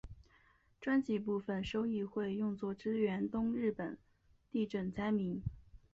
专辑部分收益会用作支援东日本地震灾民。